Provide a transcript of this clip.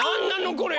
これ。